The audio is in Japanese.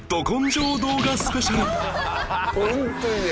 ホントにね